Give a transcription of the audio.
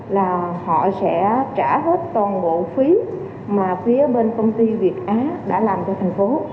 là họ sẽ trả hết toàn bộ phí mà phía bên công ty việt á đã làm cho thành phố